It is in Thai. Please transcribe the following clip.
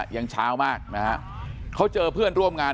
ยังเช้ามากนะฮะเขาเจอเพื่อนร่วมงาน